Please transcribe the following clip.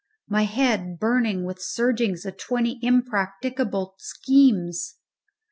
my head burning with the surgings of twenty impracticable schemes.